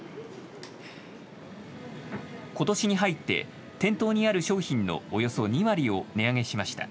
ことしに入って店頭にある商品のおよそ２割を値上げしました。